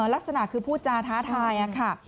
ลักษณะคือพูดจาท้าทายค่ะ